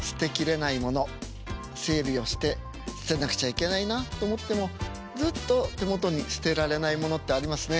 整理をして捨てなくちゃいけないなと思ってもずっと手元に捨てられないものってありますね。